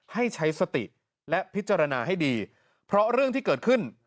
ให้ใช้สติและพิจารณาให้ดีเพราะเรื่องที่เกิดขึ้น